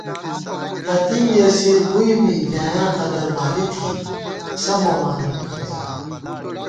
یتیم یسیر بُوئی می بۡلیایا قدربالی تھی، سہ مومانہ مِک مِزان